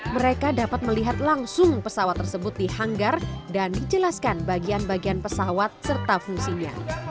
mereka dapat melihat langsung pesawat tersebut di hanggar dan dijelaskan bagian bagian pesawat serta fungsinya